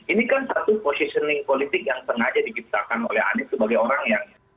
ini kan satu positioning politik yang sengaja diciptakan oleh anies sebagai orang yang